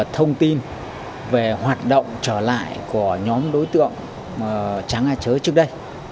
thông tin về hoạt động trở lại của nhóm đối tượng tráng a chớ trước đây